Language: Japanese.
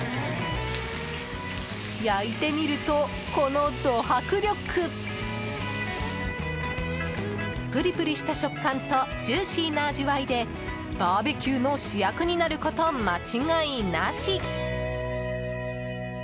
焼いてみると、このド迫力！プリプリした食感とジューシーな味わいでバーベキューの主役になること間違いなし。